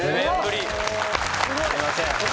すいません。